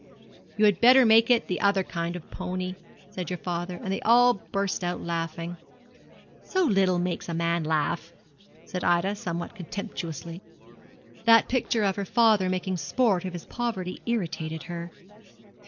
"You had better make it the other kind of pony," says your father, and then they all burst out laughing.' 'So little makes a man laugh!' said Ida, somewhat contemptuously. That picture of her father making sport of his poverty irritated her.